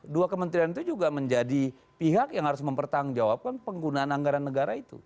dua kementerian itu juga menjadi pihak yang harus mempertanggungjawabkan penggunaan anggaran negara itu